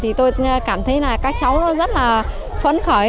thì tôi cảm thấy là các cháu nó rất là phấn khởi